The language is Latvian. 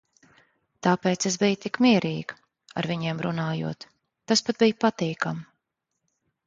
Tāpēc es biju tik mierīga, ar viņiem runājot. tas pat bija patīkami.